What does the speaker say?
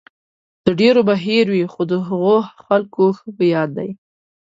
د ډېرو به هېر وي، خو د هغو خلکو ښه په یاد دی.